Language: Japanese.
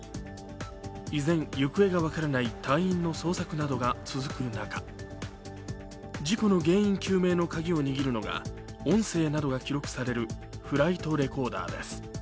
依然、行方が分からない隊員の捜索などが続く中事故の原因究明のカギを握るのが音声などが記録されるフライトレコーダーです。